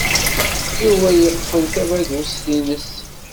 Yuba yeqfel tabagust-nnes.